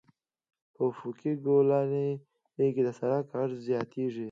په افقي ګولایي کې د سرک عرض زیاتیږي